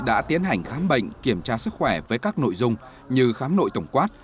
đã tiến hành khám bệnh kiểm tra sức khỏe với các nội dung như khám nội tổng quát